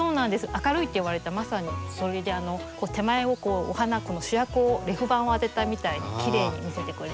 「明るい」って言われたまさにそれで手前をお花主役をレフ板を当てたみたいにきれいに見せてくれる。